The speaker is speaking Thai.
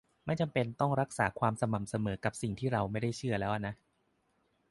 ไม่จำเป็นต้องรักษาความสม่ำเสมอกับสิ่งที่เราไม่ได้เชื่อแล้วอะนะ